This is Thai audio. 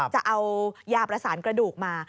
จะเอายาประสานกระดูกมา